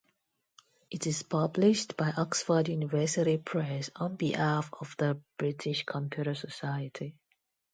It is published by Oxford University Press on behalf of the British Computer Society.